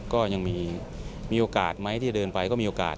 ก็ยังมีโอกาสไหมที่เดินไปก็มีโอกาส